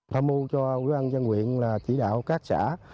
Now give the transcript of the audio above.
tham mưu cho quý văn dân quyện là chỉ đạo các xã